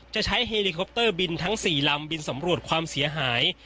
จะใช้เฮลิคอปเตอร์บินทั้ง๔ลำบินสำรวจความเสียหาย